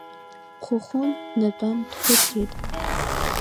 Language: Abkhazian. Хәыхәын днатәан дхәыцит…